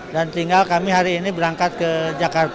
dan tinggal kami hari ini berangkat ke jawa barat